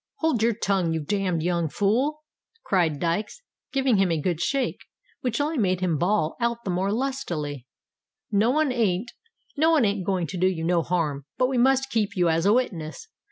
"Hold your tongue, you damned young fool!" cried Dykes, giving him a good shake, which only made him bawl out the more lustily: "no one ain't a going to do you no harm—but we must keep you as a witness.